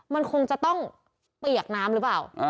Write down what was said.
มันคงจะต้องเปียกน้ำหรือเปล่า